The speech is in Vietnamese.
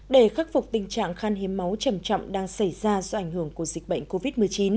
để khắc phục tình trạng khan hiến máu chầm chậm đang xảy ra do ảnh hưởng của dịch bệnh covid một mươi chín